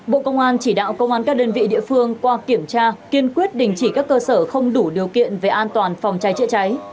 bộ công an chỉ đạo công an các đơn vị địa phương qua kiểm tra kiên quyết đình chỉ các cơ sở không đủ điều kiện về an toàn phòng cháy chữa cháy